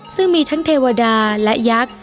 ซึ่งมีทั้งเทวดาและยักษ์